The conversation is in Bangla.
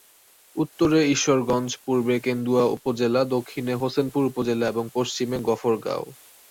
উত্তরে ঈশ্বরগঞ্জ, পূর্বে কেন্দুয়া উপজেলা, দক্ষিণে হোসেনপুর উপজেলা এবং পশ্চিমে গফরগাঁও।